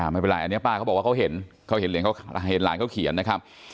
ไม่เป็นไรอันนี้ป้าเขาบอกว่าเขาเห็นเขาเห็นหลานเขาเขียนนะครับ